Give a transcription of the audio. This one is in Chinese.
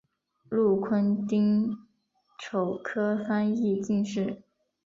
禄坤丁丑科翻译进士。